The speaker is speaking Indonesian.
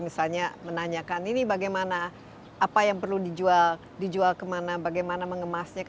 misalnya menanyakan ini bagaimana apa yang perlu dijual kemana bagaimana mengemasnya